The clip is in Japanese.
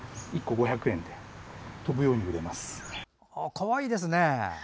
かわいいですね。